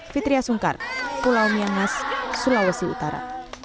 fitriah sungkar pulau myangas sulawesi utara